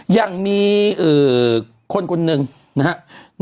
อย่างมีคนหนึ่งนะครับ